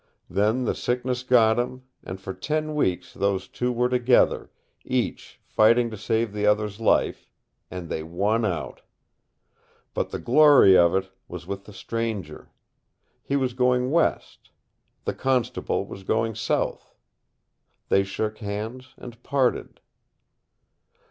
Then the sickness got him, and for ten weeks those two were together, each fighting to save the other's life, and they won out. But the glory of it was with the stranger. He was going west. The constable was going south. They shook hands and parted."